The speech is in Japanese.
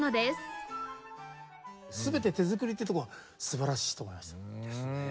全て手作りってとこが素晴らしいと思いますね。